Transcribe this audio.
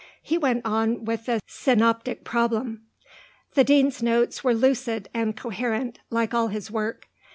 He went on with the Synoptic Problem. The Dean's notes were lucid and coherent, like all his work.